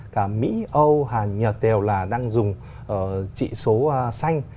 cả mỹ âu hàn nhật đều là đang dùng trị số xanh